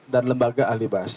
dan lembaga ahli bahasa